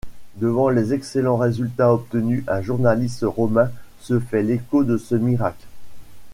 Devant les excellents résultats obtenus, un journaliste romain se fait l'écho de ce miracle.